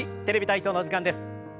「テレビ体操」の時間です。